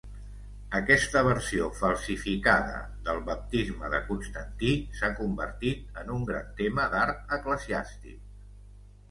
Aquesta versió falsificada del baptisme de Constantí s'ha convertit en un gran tema d'art eclesiàstic.